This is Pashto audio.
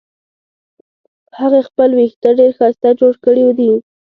هغې خپل وېښته ډېر ښایسته جوړ کړې دي